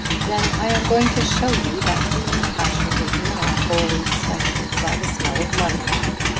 "Then I am going to show you that human passion is not always stifled by the smell of money.